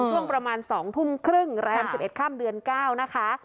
ช่วงประมาณสองทุ่มครึ่งแรมสิบเอ็ดข้ามเดือนเก้านะคะ